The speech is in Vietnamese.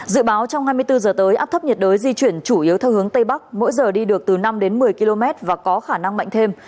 dự báo trong hai mươi bốn h tới áp thấp nhiệt đới di chuyển chủ yếu theo hướng tây bắc mỗi giờ đi được từ năm đến một mươi km và có khả năng mạnh thêm